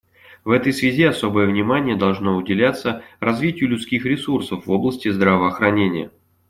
В этой связи особое внимание должно уделяться развитию людских ресурсов в области здравоохранения.